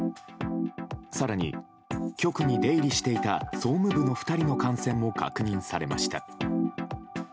更に、局に出入りしていた総務部の２人の感染も確認されました。